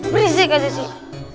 berisik aja sih